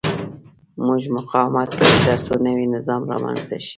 موږ مقاومت کوو ترڅو نوی نظام رامنځته شي.